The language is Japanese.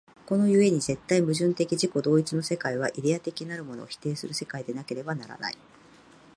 この故に絶対矛盾的自己同一の世界は、イデヤ的なるものをも否定する世界でなければならない。